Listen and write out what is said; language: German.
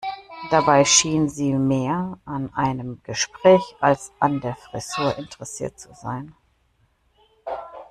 Dabei schien sie mehr an einem Gespräch als an der Frisur interessiert zu sein.